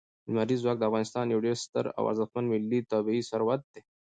لمریز ځواک د افغانستان یو ډېر ستر او ارزښتمن ملي طبعي ثروت دی.